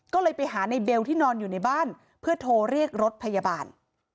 ก็เลยไปหาในเบลที่นอนอยู่ในบ้านเพื่อโทรเรียกรถพยาบาล